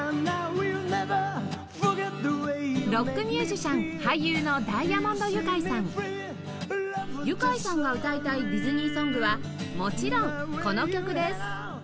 ロックミュージシャン俳優のユカイさんが歌いたいディズニーソングはもちろんこの曲です